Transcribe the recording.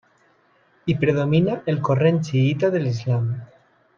Hi predomina el corrent xiïta de l'islam.